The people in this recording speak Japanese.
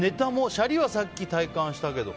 シャリはさっき体感したけど。